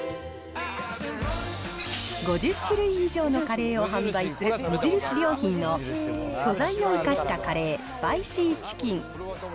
５０種類以上のカレーを販売する無印良品の、素材を生かしたカレースパイシーチキン。